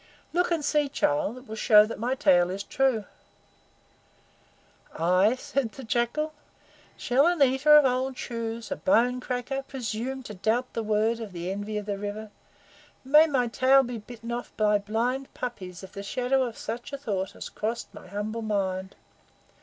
Look and see, child. It will show that my tale is true." "I?" said the Jackal. "Shall an eater of old shoes, a bone cracker, presume, to doubt the word of the Envy of the River? May my tail be bitten off by blind puppies if the shadow of such a thought has crossed my humble mind!